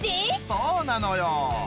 そうなのよ